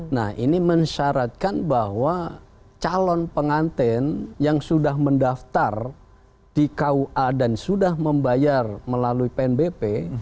nah ini mensyaratkan bahwa calon pengantin yang sudah mendaftar di kua dan sudah membayar melalui pnbp